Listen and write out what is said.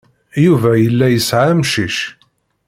Yuba yella yesɛa amcic.